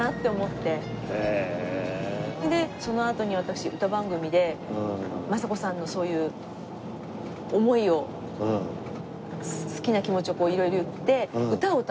それでそのあとに私歌番組で昌子さんのそういう思いを好きな気持ちを色々言って歌を歌って。